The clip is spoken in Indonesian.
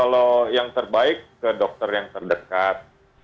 kalau yang terbaik ke dokter yang terdekat